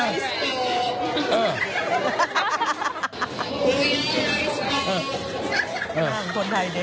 ซะอะไรครับ